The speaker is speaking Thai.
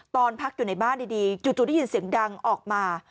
ตอนพักอยู่ในบ้านดีจู่ได้ยินเสียงดังออกมา